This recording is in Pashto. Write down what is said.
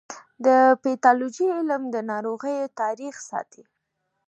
د پیتالوژي علم د ناروغیو تاریخ ساتي.